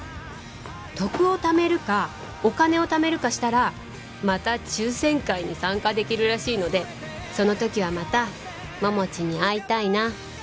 徳をためるかお金をためるかしたらまた抽選会に参加できるらしいのでその時はまた桃地に会いたいな